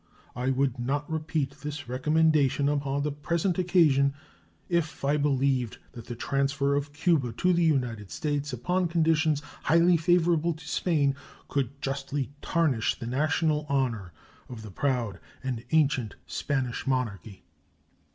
I would not repeat this recommendation upon the present occasion if I believed that the transfer of Cuba to the United States upon conditions highly favorable to Spain could justly tarnish the national honor of the proud and ancient Spanish monarchy.